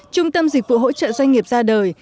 trung tâm dịch vụ hỗ trợ doanh nghiệp ra đời